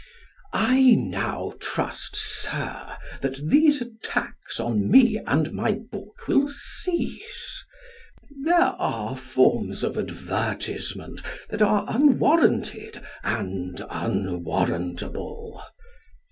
I now trust, Sir, that these attacks on me and my book will cease. There are forms of advertisement that are unwarranted and unwarrantable.